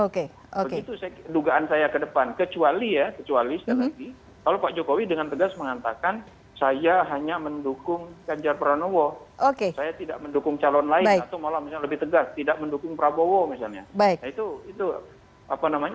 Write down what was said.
oke begitu dugaan saya ke depan kecuali ya kecuali sekali lagi kalau pak jokowi dengan tegas mengatakan saya hanya mendukung ganjar pranowo saya tidak mendukung calon lain atau malah lebih tegas tidak mendukung prabowo misalnya